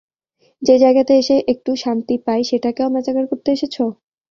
যে জায়গাতে এসে একটু শান্তি পাই সেটাকেও ম্যাচাকার করতে এসেছো?